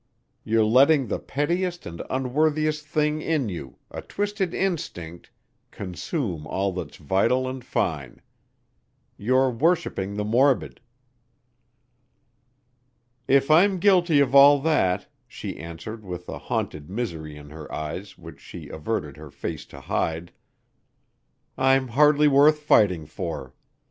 You're letting the pettiest and unworthiest thing in you a twisted instinct consume all that's vital and fine. You're worshiping the morbid." "If I'm guilty of all that" she answered with a haunted misery in her eyes which she averted her face to hide, "I'm hardly worth fighting for.